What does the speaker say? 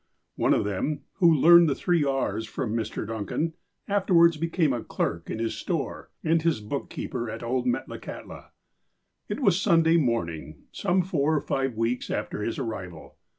One of them, who learned the three "E's" from Mr. Duncan, afterwards became clerk in his store, and his bookkeeper at old Metlakahtla. It was Sunday morning, some four or five weeks after his arrival.